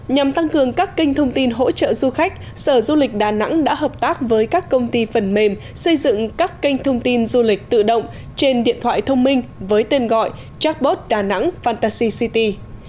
nhằm tăng cường các kênh thông tin hỗ trợ du khách sở du lịch đà nẵng đã hợp tác với các công ty phần mềm xây dựng các kênh thông tin du lịch tự động trên điện thoại thông minh với tên gọi jackbot đà nẵng fantasy city